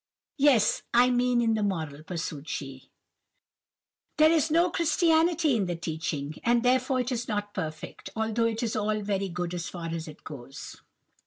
"Yes; I mean in the moral:" pursued she, "there is no Christianity in the teaching, and therefore it is not perfect, although it is all very good as far as it goes."